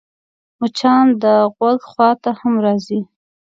مچان د غوږ خوا ته هم راځي